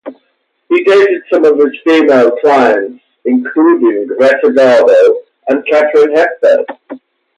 He dated some of his female clients, including Greta Garbo and Katharine Hepburn.